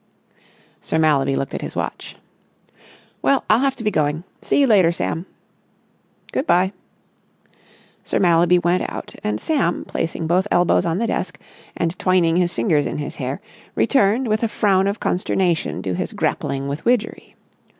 Sir Mallaby looked at his watch. "Well, I'll have to be going. See you later, Sam." "Good bye." Sir Mallaby went out, and Sam, placing both elbows on the desk and twining his fingers in his hair, returned with a frown of consternation to his grappling with Widgery.